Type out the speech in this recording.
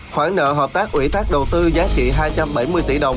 khoản nợ hợp tác ủy thác đầu tư giá trị hai trăm bảy mươi tỷ đồng